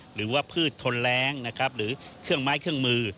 หรือว่าพืชทนแรงหรือเครื่องไม้เครื่องมือ